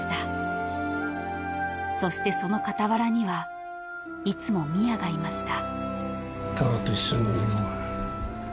［そしてその傍らにはいつも宮がいました］